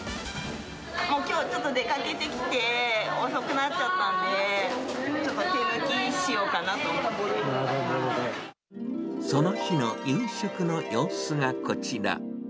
きょうはちょっと出かけてきて、遅くなっちゃったんで、ちょっと手抜きしようかなと思っその日の夕食の様子がこちら。